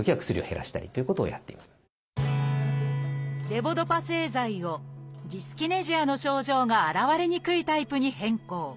レボドパ製剤をジスキネジアの症状が現れにくいタイプに変更。